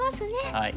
はい。